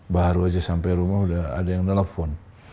baru aja sampai rumah udah ada yang nelfon